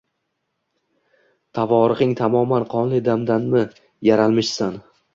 Tavorixing tamoman qonli damdanmi yaralmishsan?